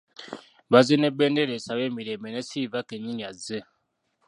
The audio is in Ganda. Bazze n'ebendera esaba emirembe ne Silver kennyini azze.